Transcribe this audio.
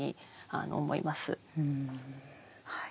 はい。